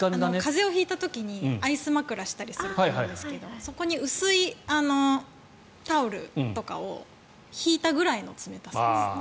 風邪を引いた時にアイス枕をしたりすると思うんですがそこに薄いタオルとかを敷いたぐらいの冷たさです。